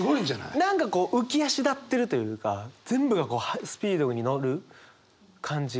何かこう浮き足立ってるというか全部がスピードに乗る感じが。